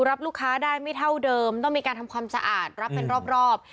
รับลูกค้าได้ไม่เท่าเดิมต้องมีการทำความสะอาดรับเป็นรอบ